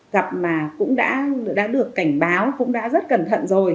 gặp mà cũng đã được cảnh báo cũng đã rất cẩn thận rồi